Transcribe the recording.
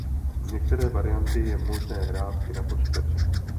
Některé varianty je možné hrát i na počítači.